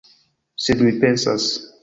Sed mi pensas!